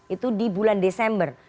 itu di bulan desember